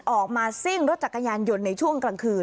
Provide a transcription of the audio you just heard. ออกมาซิ่งรถจักรยานหยุ่นในช่วงกลางคืน